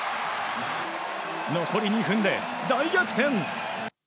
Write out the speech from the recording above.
残り２分で大逆転！